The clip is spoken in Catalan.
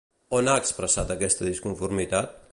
On han expressat aquesta disconformitat?